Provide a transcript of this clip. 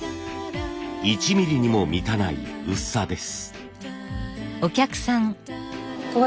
１ミリにも満たない薄さです。